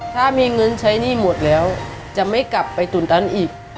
ถ้ามีเงินใช้หนี้หมดแล้วจะไม่กลับไปตุ๋นตันอีก